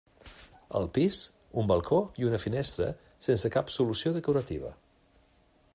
Al pis, un balcó i una finestra sense cap solució decorativa.